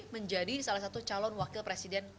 menjadi salah satu calon wakil presiden